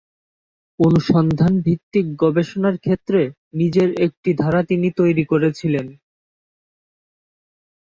অনুসন্ধান ভিত্তিক গবেষণার ক্ষেত্রে নিজের একটি ধারা তিনি তৈরি করেছিলেন।